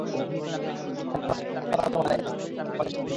এখন সরাসরি রাসূল সাল্লাল্লাহু আলাইহি ওয়াসাল্লাম-এর নিকট যাবে বলে সিদ্ধান্ত নেয়।